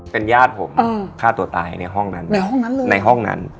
เป็นญาติผมฆ่าตัวตายในห้องนั้นในห้องนั้นเลยในห้องนั้น